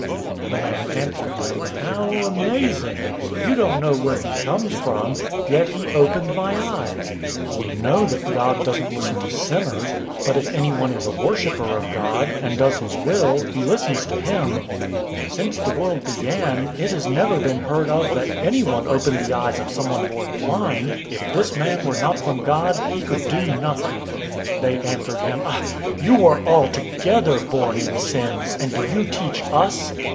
009:030 The man answered them, "How amazing! You don't know where he comes from, yet he opened my eyes. 009:031 We know that God doesn't listen to sinners, but if anyone is a worshipper of God, and does his will, he listens to him.{Psalm 66:18, Proverbs 15:29; 28:9} 009:032 Since the world began it has never been heard of that anyone opened the eyes of someone born blind. 009:033 If this man were not from God, he could do nothing." 009:034 They answered him, "You were altogether born in sins, and do you teach us?"